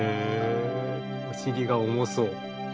お尻が重そう。